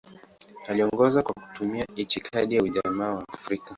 Aliongoza kwa kutumia itikadi ya Ujamaa wa Afrika.